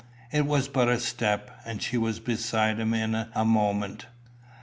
It was but a step, and she was beside him in a moment.